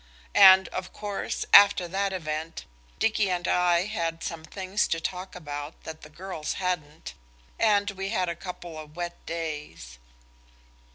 And, of course, after the event, Dicky and I had some things to talk about that the girls hadn't, and we had a couple of wet days.